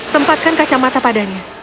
tempatkan kacamata padanya